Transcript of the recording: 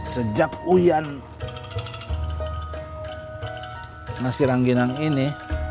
sejak urian nasi ranggineng ini